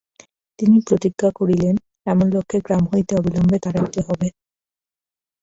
তিনি প্রতিজ্ঞা করিলেন, এমন লোককে গ্রাম হইতে অবিলম্বে তাড়াইতে হইবে।